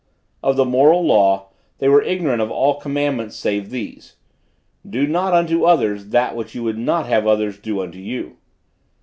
Of the moral law, they were ignorant of all commandments save this: Do not unto others that which you would not have others do unto you.